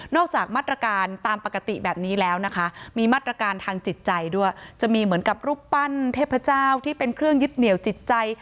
จากมาตรการตามปกติแบบนี้แล้วนะคะมีมาตรการทางจิตใจด้วยจะมีเหมือนกับรูปปั้นเทพเจ้าที่เป็นเครื่องยึดเหนียวจิตใจ